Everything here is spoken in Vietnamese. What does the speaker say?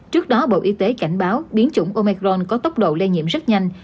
trước đó bộ y tế cảnh báo biến chủng omecron có tốc độ lây nhiễm rất nhanh